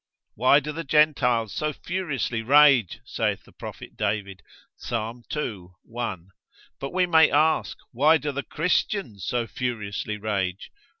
Why do the Gentiles so furiously rage, saith the Prophet David, Psal. ii. 1. But we may ask, why do the Christians so furiously rage?